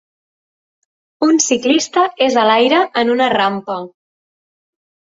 Un ciclista és a l'aire en una rampa